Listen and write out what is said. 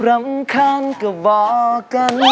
รำคาญก็บอกกัน